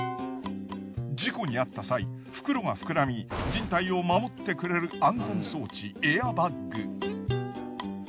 事故にあった際袋が膨らみ人体を守ってくれる安全装置エアバッグ。